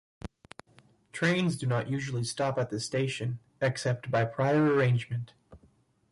Trains do not usually stop at the station, except by prior arrangement.